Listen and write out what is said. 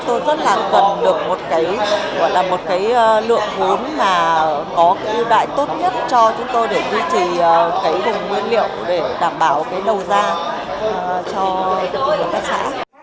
tôi rất là cần được một cái gọi là một cái lượng vốn mà có cái ưu đại tốt nhất cho chúng tôi để duy trì cái vùng nguyên liệu để đảm bảo cái đầu ra cho hợp tác xã